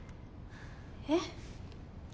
えっ？